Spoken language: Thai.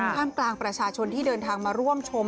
ท่ามกลางประชาชนที่เดินทางมาร่วมชม